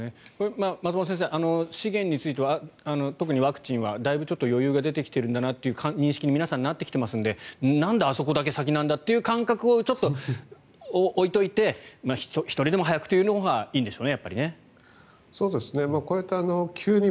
松本先生資源については特にワクチンはだいぶ余裕が出てきているんだなという認識に皆さん、なってきていますのでなんであそこだけ先なんだという感覚をちょっと置いておいて１人でも早くというのがいいんでしょうね。